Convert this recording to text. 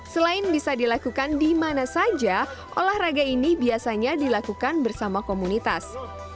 selain bisa dilakukan di mana saja olahraga ini biasanya dilakukan bersama komunitas